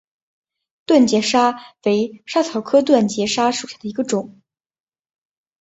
断节莎为莎草科断节莎属下的一个种。